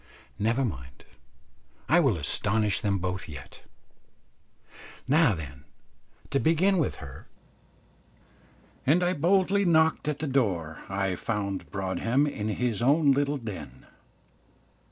Never mind, I will astonish them both yet. Now then, to begin with her; and I boldly knocked at the door. I found Broadhem in his own little den.